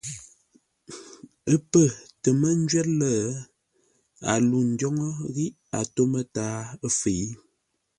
Ə́ pə́ tə mə́ ńjwə́r lə́, a lû ńdwóŋə́ ghíʼ a tó mətǎa fə̌i.